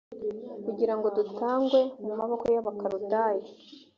kugira ngo dutangwe mu maboko y abakaludaya